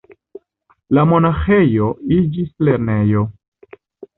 La monaĥejo iĝis lernejo.